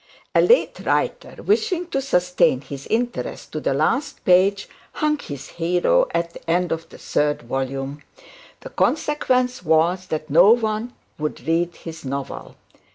A late writer, wishing to sustain his interest to the last page, hung his hear at the end of the third volume. The consequence was, that no one should read his novel.